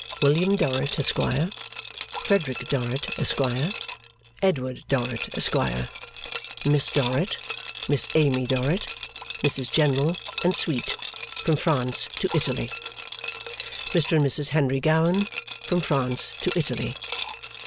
William Dorrit, Esquire Frederick Dorrit, Esquire Edward Dorrit, Esquire Miss Dorrit Miss Amy Dorrit Mrs General and Suite. From France to Italy. Mr and Mrs Henry Gowan. From France to Italy.